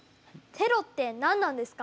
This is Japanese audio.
テロって何なんですか？